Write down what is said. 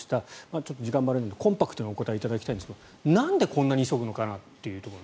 ちょっと時間もあれなのでコンパクトにお答えいただきたいんですがなんでこんなに急ぐのかなというところ。